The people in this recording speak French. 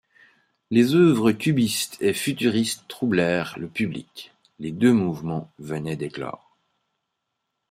Les œuvres cubistes et futuristes troublèrent le public, les deux mouvements venaient d'éclore.